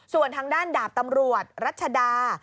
ส่วนทางด้านดาบตำรวจรัชดา